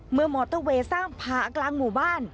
มอเตอร์เวย์สร้างผากลางหมู่บ้าน